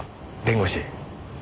弁護士。